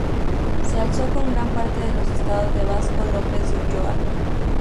Se alzó con gran parte de los estados de Vasco López de Ulloa.